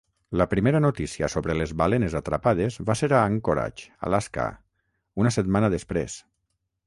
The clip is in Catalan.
La primera notícia sobre les balenes atrapades va ser a Anchorage, Alaska una setmana després.